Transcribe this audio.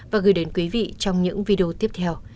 và gửi đến quý vị trong những video tiếp theo